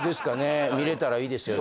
見れたらいいですよね。